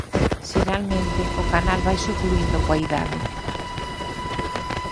Xeralmente o canal vaise ocluíndo coa idade.